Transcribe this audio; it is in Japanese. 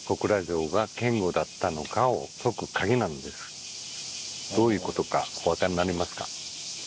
実はこのどういうことかお分かりになりますか？